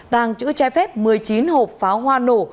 tàng chữ trái phép một mươi chín hộp pháo hoa nổ